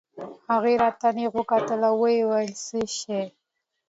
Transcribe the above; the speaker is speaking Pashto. هغه راته نېغ وکتل ويې ويل څه شى.